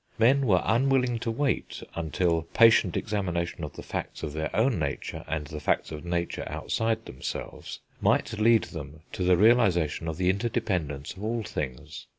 Men were unwilling to wait until patient examination of the facts of their own nature, and the facts of nature outside themselves, might lead them to the realisation of the interdependence of all things.